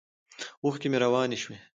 اوښکې مې روانې شوې.